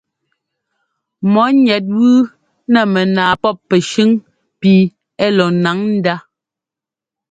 Mɔ̌ ŋɛt wú nɛ mɛnaa pɔ́p pɛ́shʉn pi ɛ́ lɔ ńnáŋ ndá.